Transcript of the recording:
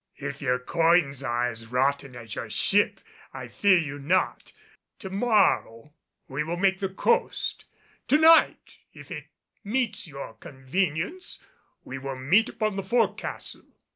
"If your quoins are as rotten as your ship, I fear you not. To morrow we make the coast. To night, if it meets your convenience we will meet upon the fore castle."